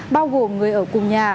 bao gồm người ở cùng nhà